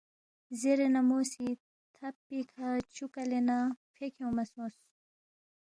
زیرے نہ مو سی تھب پیکھہ چھُو کلے نہ فے کھیونگما سونگس